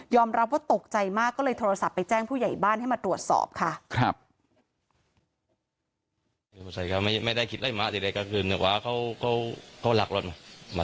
รับว่าตกใจมากก็เลยโทรศัพท์ไปแจ้งผู้ใหญ่บ้านให้มาตรวจสอบค่ะ